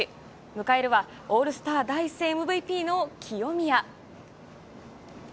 迎えるは、オールスター第１戦ＭＶＰの清宮。